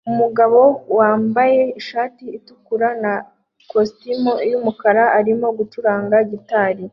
Umugabo wambaye ishati itukura na kositimu yumukara arimo gucuranga gitari